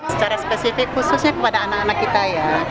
secara spesifik khususnya kepada anak anak kita ya